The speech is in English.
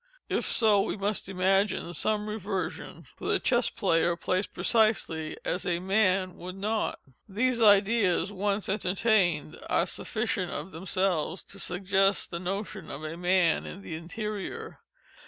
If so, we must imagine some _reversion—_for the Chess Player plays precisely as a man _would not. _These ideas, once entertained, are sufficient of themselves, to suggest the notion of a man in the interior.